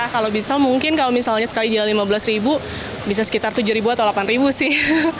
kalau bisa mungkin kalau misalnya sekali jalan rp lima belas bisa sekitar rp tujuh atau rp delapan sih